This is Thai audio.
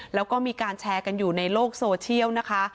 แล้วก็มีการแชร์กันอยู่ในโลกโซเชียลนะคะ